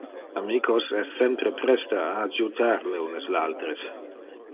Amicos es sempre preste a adjutar le unes le alteres.